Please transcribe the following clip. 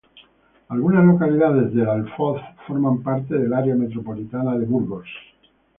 Algunas localidades del Alfoz forman parte del área metropolitana de Burgos.